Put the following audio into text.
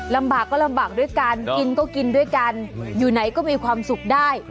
ลำบากก็ลำบากด้วยกันกินก็กินด้วยกันอยู่ไหนก็มีความสุขได้